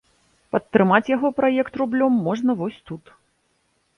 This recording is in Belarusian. Падтрымаць яго праект рублём можна вось тут.